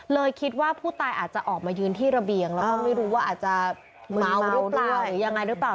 คิดว่าผู้ตายอาจจะออกมายืนที่ระเบียงแล้วก็ไม่รู้ว่าอาจจะเมาหรือเปล่าหรือยังไงหรือเปล่า